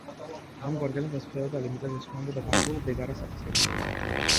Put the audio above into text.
ამგვარ გლეხებს ფეოდალი მიწაზე სვამდა და გარკვეულ ბეგარას აკისრებდა.